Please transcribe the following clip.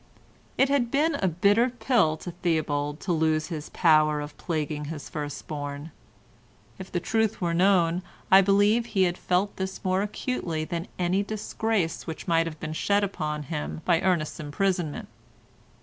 It had been a bitter pill to Theobald to lose his power of plaguing his first born; if the truth were known I believe he had felt this more acutely than any disgrace which might have been shed upon him by Ernest's imprisonment.